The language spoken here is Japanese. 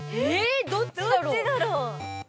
◆どっちだろう？